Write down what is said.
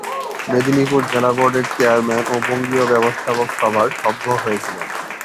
মেদিনীপুর জেলা বোর্ডের চেয়ারম্যান ও বঙ্গীয় ব্যবস্থাপক সভার সভ্য হয়েছিলেন।